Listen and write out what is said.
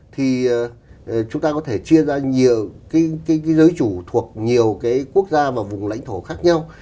thì chúng ta có thể chia ra nhiều giới chủ thuộc nhiều cái quốc gia và vùng lãnh thổ khác nhau